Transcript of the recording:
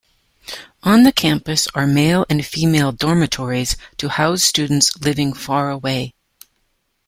On the campus are male and female dormitories to house students living far away.